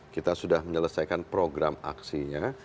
kita sudah menyelesaikan program aksinya